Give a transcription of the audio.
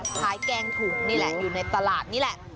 แกงถูกนี่แหละอยู่ในตลาดนี่แหละ